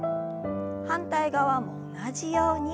反対側も同じように。